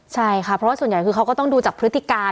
ใช่ค่ะเพราะว่าส่วนใหญ่คือเขาก็ต้องดูจากพฤติการ